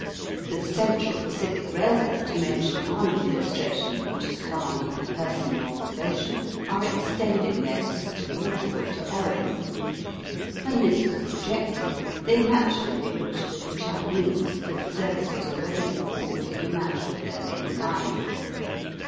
The Central Pacific Eailway, to mention one illustration which has come under my personal observation, are extending their system north ward to Oregon. When this was projected they naturally looked to the Chinese for the services already performed in the matter of their main line.